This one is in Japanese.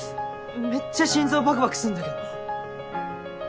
めっちゃ心臓バクバクすんだけど。